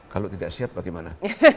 kalau tidak siap bagaimana